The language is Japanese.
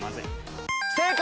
正解！